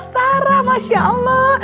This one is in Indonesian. sarah masya allah